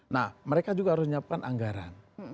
nah mereka juga harus menyiapkan anggaran